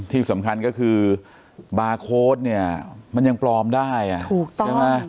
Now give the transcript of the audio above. ที่สำคัญก็คือบาร์โค้ดเนี่ยมันยังปลอมได้ถูกต้องใช่ไหม